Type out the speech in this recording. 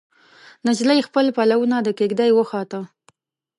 نجلۍ خپل پلونه د کیږدۍ وخواته